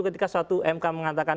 ketika suatu mk mengatakan